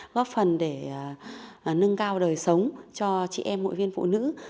góp phần để nâng cao đời sống cho chị em hội viên phụ nữ